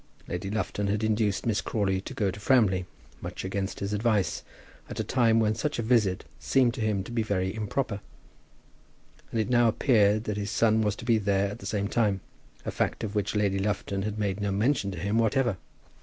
Lady Lufton had induced Miss Crawley to go to Framley, much against his advice, at a time when such a visit seemed to him to be very improper; and it now appeared that his son was to be there at the same time, a fact of which Lady Lufton had made no mention to him whatever.